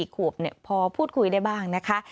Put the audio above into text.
๔ขวบพอพูดคุยได้บ้างนะคะ